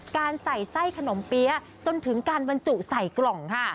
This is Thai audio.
การใส่ไส้ขนมเปี๊ยะจนถึงการบรรจุใส่กล่องค่ะ